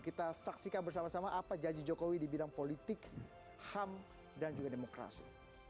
kita saksikan bersama sama apa janji jokowi di bidang politik ham dan juga demokrasi